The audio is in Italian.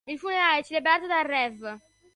Il funerale, celebrato dal Rev.